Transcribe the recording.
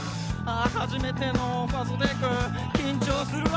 初めてのファーストテイク緊張するわ。